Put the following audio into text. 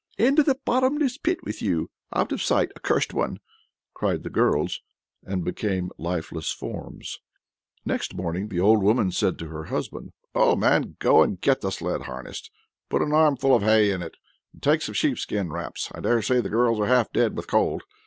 "Into the bottomless pit with you! Out of sight, accursed one!" cried the girls and became lifeless forms. Next morning the old woman said to her husband: "Old man, go and get the sledge harnessed; put an armful of hay in it, and take some sheep skin wraps. I daresay the girls are half dead with cold.